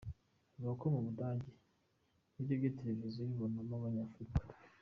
Avuga ko mu Budage, iyo urebye Televiziyo ubonamo abanyafurika .